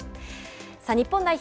さあ日本代表